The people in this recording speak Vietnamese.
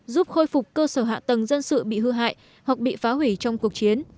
giúp khôi phục cơ sở hạ tầng dân sự bị hư hại hoặc bị phá hủy trong cuộc chiến